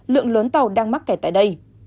lượng lớn tàu đang mắc kẻ tại đây